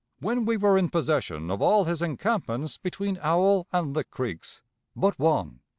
when we were in possession of all his encampments between Owl and lick Creeks but one."